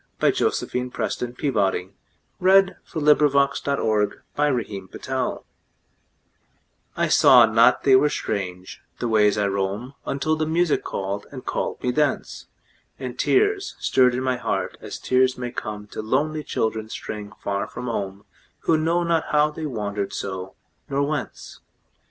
By Josephine PrestonPeabody 1671 After Music I SAW not they were strange, the ways I roam, Until the music called, and called me thence, And tears stirred in my heart as tears may comeTo lonely children straying far from home, Who know not how they wandered so, nor whence.